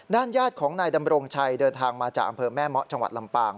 ญาติของนายดำรงชัยเดินทางมาจากอำเภอแม่เมาะจังหวัดลำปาง